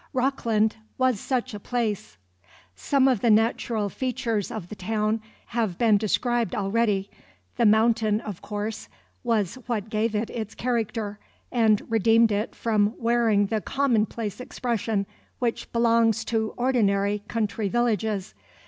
Rockland was such a place. Some of the natural features of the town have been described already. The Mountain, of course, was what gave it its character, and redeemed it from wearing the commonplace expression which belongs to ordinary country villages.